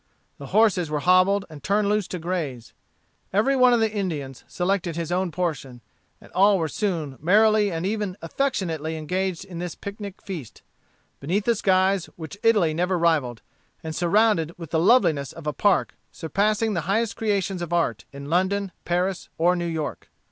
The horses were hobbled and turned loose to graze. Every one of the Indians selected his own portion, and all were soon merrily and even affectionately engaged in this picnic feast, beneath skies which Italy never rivalled, and surrounded with the loveliness of a park surpassing the highest creations of art in London, Paris, or New York.